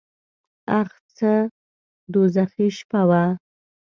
اخ څه دوږخي شپه وه .